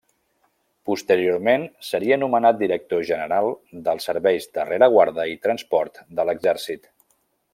Posteriorment seria nomenat Director general dels Serveis de rereguarda i transport de l'Exèrcit.